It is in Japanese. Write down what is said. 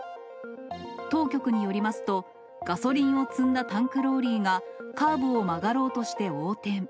当局によりますと、ガソリンを積んだタンクローリーが、カーブを曲がろうとして横転。